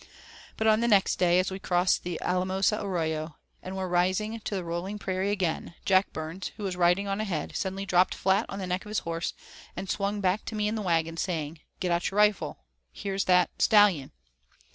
But on the next day, as we crossed the Alamosa Arroyo, and were rising to the rolling prairie again, Jack Burns, who was riding on ahead, suddenly dropped flat on the neck of his horse, and swung back to me in the wagon, saying: "Get out your rifle, here's that stallion."